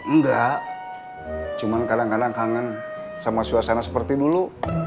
enggak cuman kadang kadang kangen sama suasana seperti dulu